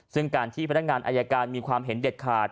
ซึ่งการที่พนักงานอายการมีความเห็นเด็ดขาด